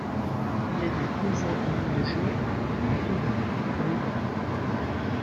Il a lieu tous les ans au mois de juin à Todi, en Italie.